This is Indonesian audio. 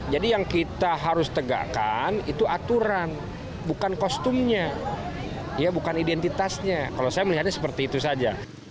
jadi yang kita harus tegakkan itu aturan bukan kostumnya bukan identitasnya kalau saya melihatnya seperti itu saja